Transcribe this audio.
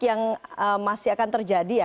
yang masih akan terjadi ya